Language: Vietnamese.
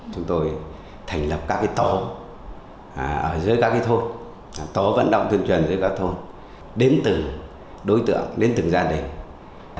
chúng tôi thành lập các tố ở dưới các thôn tố vận động tuyên truyền dưới các thôn đến từ đối tượng đến từ gia đình